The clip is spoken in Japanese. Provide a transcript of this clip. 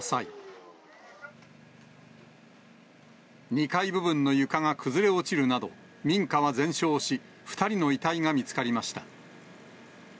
２階部分の床が崩れ落ちるなど、民家は全焼し、２人の遺体が見つかりました。